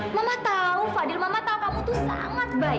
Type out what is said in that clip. mama tahu fadil mama tahu kamu itu sangat baik